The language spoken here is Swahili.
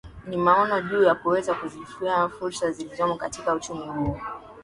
Ni maono juu ya kuweza kuzifikia fursa zilizomo katika uchumi huo